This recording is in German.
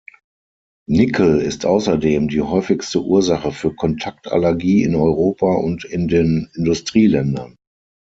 Nickel ist außerdem die häufigste Ursache für Kontaktallergie in Europa und in den Industrieländern.